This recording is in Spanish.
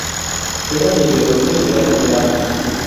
Era de ideología liberal moderada.